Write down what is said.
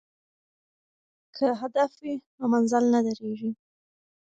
که هدف وي نو مزل نه دریږي.